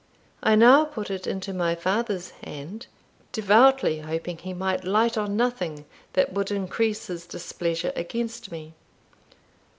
I now put it into my father's hand, devoutly hoping he might light on nothing that would increase his displeasure against me.